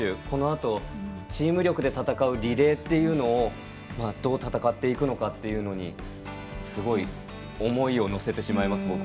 このあと、チーム力で戦うリレーっていうのをどう戦っていくのかにすごい思いを乗せてしまいます